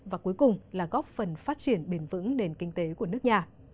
và cuối cùng là góp phần phát triển bền vững nền kinh tế của nước nhà